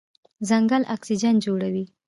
ځنګل اکسیجن جوړوي.